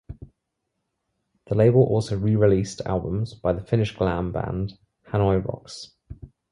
The label also re-released albums by the Finnish glam band Hanoi Rocks.